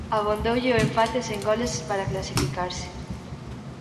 Abondoulle o empate sen goles para clasificarse.